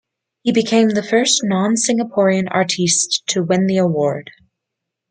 He became the first non-Singaporean artiste to win the award.